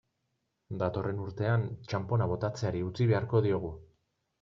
Datorren urtean, txanpona botatzeari utzi beharko diogu.